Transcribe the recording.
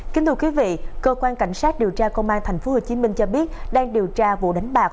kính thưa quý vị cơ quan cảnh sát điều tra công an tp hcm cho biết đang điều tra vụ đánh bạc